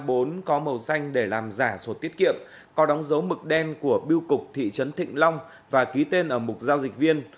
a bốn có màu xanh để làm giả sổ tiết kiệm có đóng dấu mực đen của biêu cục thị trấn thịnh long và ký tên ở mục giao dịch viên